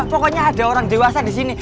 pokoknya ada orang dewasa di sini